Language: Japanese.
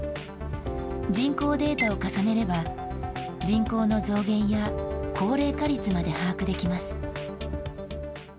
人口データを重ねれば、人口の増減や高齢化率まで把握できます。